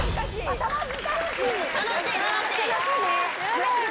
楽しい！